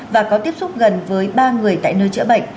và có tiếp xúc gần với ba người tại nơi chữa bệnh